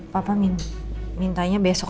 papa mintanya besok